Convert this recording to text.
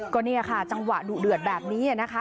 ก็เนี่ยค่ะจังหวะดุเดือดแบบนี้นะคะ